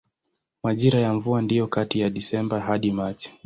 Majira ya mvua ndiyo kati ya Desemba hadi Machi.